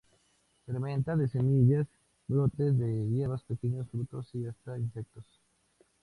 Se alimenta de semillas, brotes de hierbas, pequeños frutos y hasta de insectos.